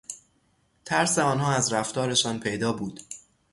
ترس آنها از رفتارشان پیدا بود.